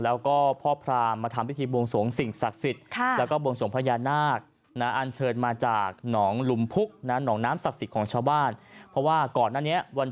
นะครับก็เลยมีการทำวิธีอันเชิญพญานาคมาประทับให้อยู่ที่ข้างศาลปุ่งแห่งนี้เลย